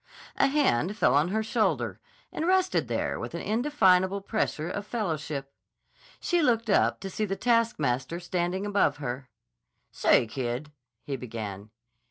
A hand fell on her shoulder and rested there with an indefinable pressure of fellowship. She looked up to see the taskmaster standing above her. "Say, kid," he began.